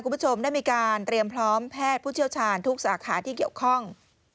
คุณผู้ชมได้มีการเตรียมพร้อมแพทย์ผู้เชี่ยวชาญทุกสาขาที่เกี่ยวข้อง